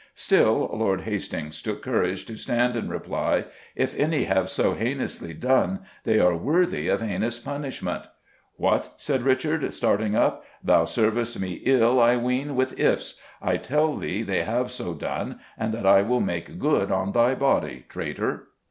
Still, Lord Hastings took courage to stand and reply, "If any have so heinously done, they are worthy of heinous punishment." "What!" said Richard, starting up; "thou servest me ill, I ween, with 'ifs.' I tell thee they have so done, and that I will make good on thy body, traitor."